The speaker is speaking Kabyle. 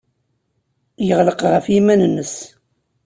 Yeɣleq ɣef yiman-nnes.